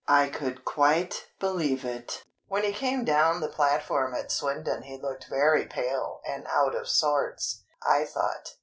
I could quite believe it! When he came down the platform at Swindon he looked very pale and out of sorts, I thought.